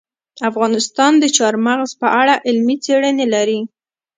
افغانستان د چار مغز په اړه علمي څېړنې لري.